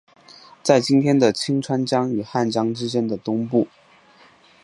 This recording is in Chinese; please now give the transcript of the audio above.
在今天的清川江与汉江之间的东部。